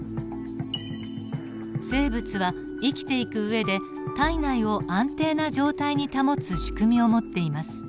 生物は生きていく上で体内を安定な状態に保つ仕組みを持っています。